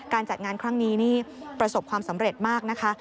จัดงานครั้งนี้นี่ประสบความสำเร็จมากนะคะ